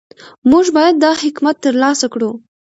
موږ باید دا حکمت ترلاسه کړو.